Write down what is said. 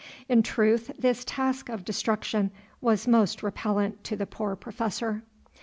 In truth, this task of destruction was most repellent to the poor Professor.